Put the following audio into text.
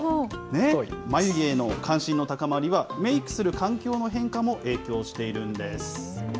眉毛への関心の高まりは、メークする環境の変化も影響しているんです。